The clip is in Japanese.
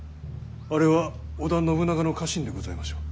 あれは織田信長の家臣でございましょう？